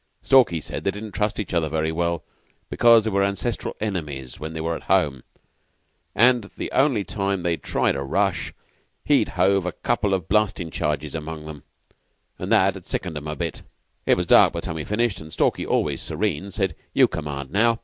Stalky said they didn't trust each other very well, because they were ancestral enemies when they were at home; and the only time they'd tried a rush he'd hove a couple of blasting charges among 'em, and that had sickened 'em a bit. "It was dark by the time we finished, and Stalky, always serene, said: 'You command now.